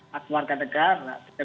hak warga negara